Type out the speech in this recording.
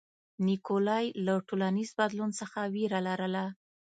نیکولای له ټولنیز بدلون څخه وېره لرله.